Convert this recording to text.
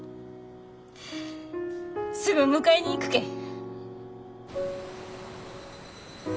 すぐ迎えに行くけん。